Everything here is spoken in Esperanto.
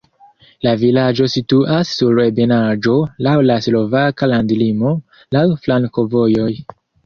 La vilaĝo situas sur ebenaĵo, laŭ la slovaka landlimo, laŭ flankovojoj.